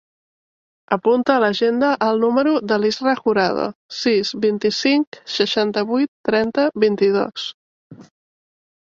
Apunta a l'agenda el número de l'Israa Jurado: sis, vint-i-cinc, seixanta-vuit, trenta, vint-i-dos.